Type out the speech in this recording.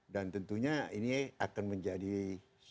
dan tentunya ini akan menjadi suatu perbicaraan